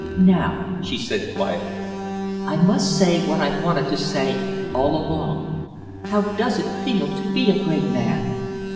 "Now," she said, quietly, "I must say what I've wanted to say all along. How does it feel to be a great man?"